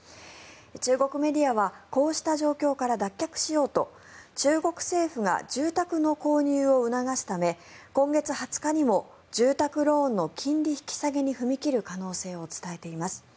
中国メディアはこうした状況から脱却しようと中国政府が住宅の購入を促すため今月２０日にも住宅ローンの金利引き下げに踏み切る可能性を伝えています。